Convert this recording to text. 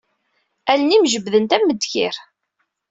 Allen-im jebbdent am ddkir.